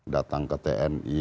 datang ke tni